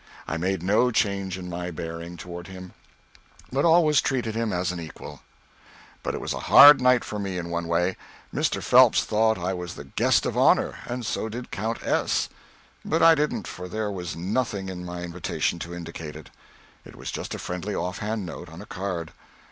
I made no change in my bearing toward him, but always treated him as an equal. But it was a hard night for me in one way. Mr. Phelps thought I was the guest of honor, and so did Count S.; but I didn't, for there was nothing in my invitation to indicate it. It was just a friendly offhand note, on a card.